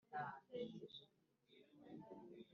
ndanga-gits ina aho n' agatsinda bya_ga tura nye